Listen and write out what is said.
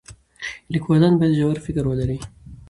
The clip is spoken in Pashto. لیکوالان باید ژور فکر ولري.